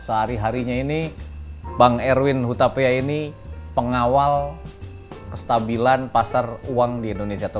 sehari harinya ini bang erwin hutapea ini pengawal kestabilan pasar uang di indonesia